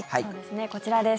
こちらです。